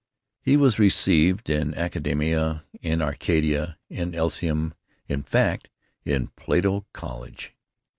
He was received in Academe, in Arcadia, in Elysium; in fact, in Plato College.